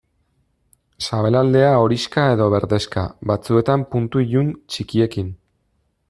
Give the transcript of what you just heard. Sabelaldea horixka edo berdexka, batzuetan puntu ilun txikiekin.